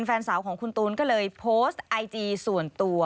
แฟนสาวของคุณตูนก็เลยโพสต์ไอจีส่วนตัว